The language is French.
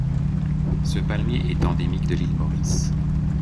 Ce Palmier est endémique de l'île Maurice.